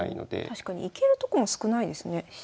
確かに行けるとこも少ないですね飛車。